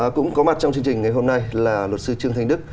cũng có mặt trong chương trình ngày hôm nay là luật sư trương thanh đức